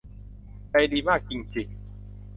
ใจดีมากจริง ๆ